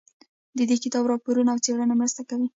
د دې کتاب راپورونه او څېړنې مرسته کوي.